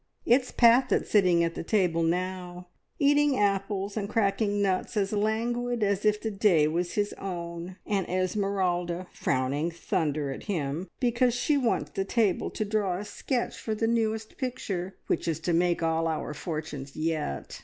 It's Pat that's sitting at the table now, eating apples and cracking nuts as languid as if the day was his own, and Esmeralda frowning thunder at him because she wants the table to draw a sketch for the newest picture, which is to make all our fortunes yet.